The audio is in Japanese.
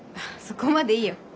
そこまでいいよ。